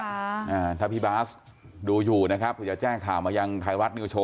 อ่าถ้าพี่บาสดูอยู่นะครับเผื่อจะแจ้งข่าวมายังไทยรัฐนิวโชว